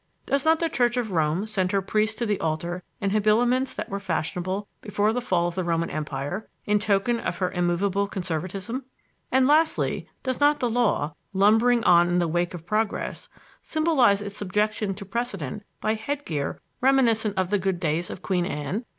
Does not the Church of Rome send her priests to the altar in habiliments that were fashionable before the fall of the Roman Empire, in token of her immovable conservatism? And, lastly, does not the Law, lumbering on in the wake of progress, symbolize its subjection to precedent by head gear reminiscent of the good days of Queen Anne?